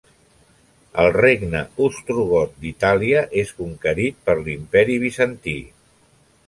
El Regne Ostrogot d'Itàlia és conquerit per l'imperi Bizantí.